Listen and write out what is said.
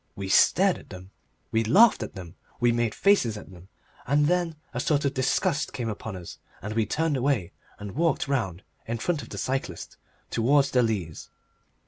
We stared at them, we laughed at them, we made faces at them, and then a sort of disgust of them came upon us, and we turned away and walked round in front of the cyclist towards the Leas.